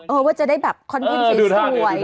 เออว่าจะได้แบบคอนเทนเฉยสวย